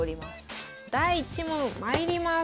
第１問まいります。